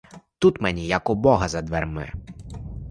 Тут мені, як у бога за дверми.